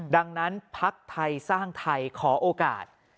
ดังนั้นพักไทยสร้างไทยขอโอกาส